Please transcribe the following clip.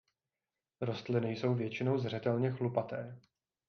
Rostliny jsou většinou zřetelně chlupaté.